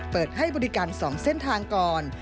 เปิดให้บริการ๒เส้นทางก่อน